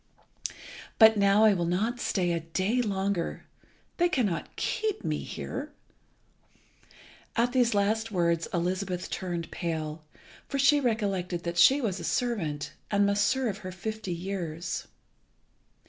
But now I will not stay a day longer. They cannot keep me here." At these last words Elizabeth turned pale, for she recollected that she was a servant, and must serve her fifty years.